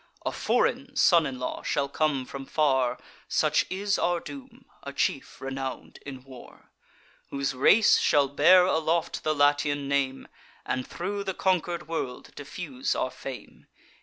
A foreign son in law shall come from far (Such is our doom), a chief renown'd in war, Whose race shall bear aloft the Latian name, And thro' the conquer'd world diffuse our fame.